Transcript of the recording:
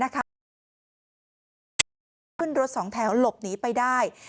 ก็ขึ้นรถสองแถวหลบหนีไปได้